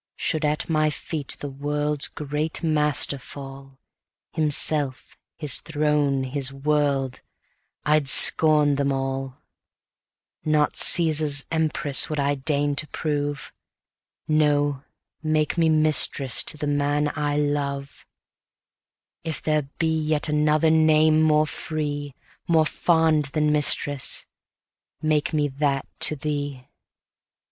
Should at my feet the world's great master fall, Himself, his throne, his world, I'd scorn them all: Not Cæsar's empress would I deign to prove; No, make me mistress to the man I love; If there be yet another name more free, More fond than mistress, make me that to thee!